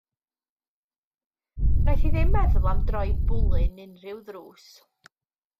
Wnaeth hi ddim meddwl am droi bwlyn unrhyw ddrws.